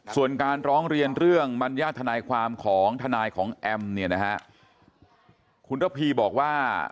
ส่วนการร้องเรียนเรื่องบรรยาทนายความของทนายของแอมคุณทพีบอกว่า